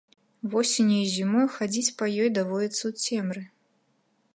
Восенню і зімой хадзіць па ёй даводзіцца ў цемры.